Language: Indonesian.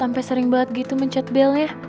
sampe sering banget gitu mencet belnya